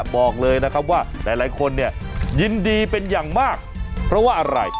บอกเลยนะครับว่าหลายคนเนี่ยยินดีเป็นอย่างมากเพราะว่าอะไร